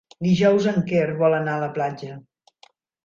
Dijous en Quer vol anar a la platja.